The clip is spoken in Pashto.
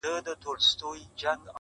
په هغه ښار کي -